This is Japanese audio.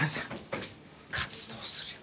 活動するよ。